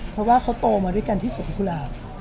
เพราะว่าเขาโตมาด้วยกันที่สวนกุหลาบ